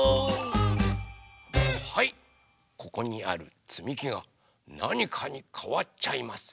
はいここにあるつみきがなにかにかわっちゃいます。